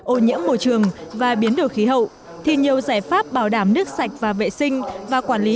ô nhiễm môi trường và biến đổi khí hậu thì nhiều giải pháp bảo đảm nước sạch và vệ sinh và quản lý